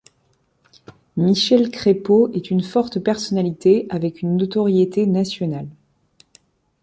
Michel Crépeau est une forte personnalité, avec une notoriété nationale.